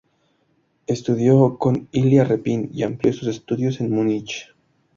Estudió con Iliá Repin y amplió sus estudios en Múnich.